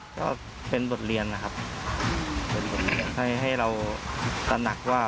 ก็เป็นบทเรียนนะครับเป็นบทเรียนให้ให้เราตระหนักว่า